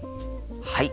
はい。